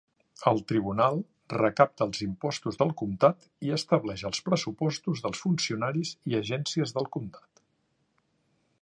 El tribunal recapta els impostos del comtat i estableix els pressupostos dels funcionaris i agències del comtat.